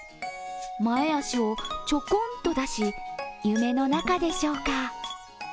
前足をちょこんと出し、夢の中でしょうか。